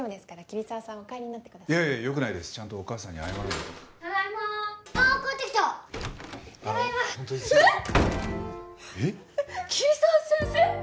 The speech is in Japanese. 桐沢先生。